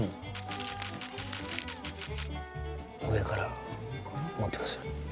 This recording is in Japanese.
上から持ってください。